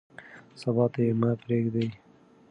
سبا ته یې مه پرېږدئ.